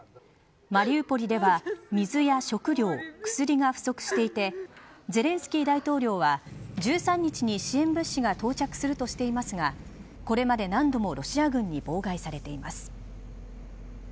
マリウポリでは、水や食料薬が不足していてゼレンスキー大統領は１３日に支援物資が到着するとしていますがこれまで何度もロシア軍に妨害されています。